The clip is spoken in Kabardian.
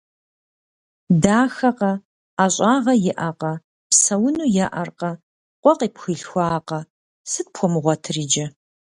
Дахэкъэ, ӏэщӏагъэ иӏэкъэ, псэуну еӏэркъэ, къуэ къыпхуилъхуакъэ. Сыт пхуэмыгъуэтыр иджы?